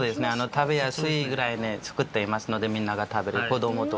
食べやすいぐらいに作っていますのでみんなが食べる子どもと。